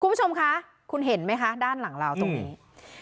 คุณผู้ชมคะคุณเห็นไหมคะด้านหลังเราตรงนี้